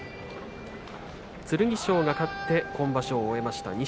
剣翔が勝って今場所を終えました。